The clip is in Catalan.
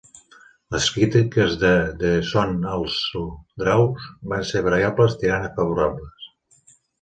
Les crítiques de "The Son Also Draws" van ser variades tirant a favorables.